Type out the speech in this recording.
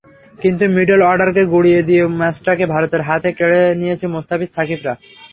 কিন্তু মিডল অর্ডারকে গুঁড়িয়ে দিয়ে ম্যাচটাকে ভারতের হাত থেকে কেড়ে নিয়েছেন মুস্তাফিজ-সাকিবরা।